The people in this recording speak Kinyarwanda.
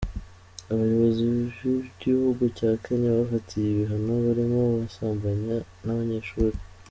Abayobozi b’igihugu cya Kenya bafatiye ibihano abarimu basambanye n’abanyeshuri.